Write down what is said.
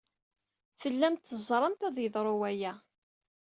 Tellamt teẓramt ad yeḍru waya!